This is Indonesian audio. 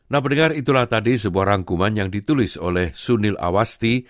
nah mendengar itulah tadi sebuah rangkuman yang ditulis oleh sunil awasti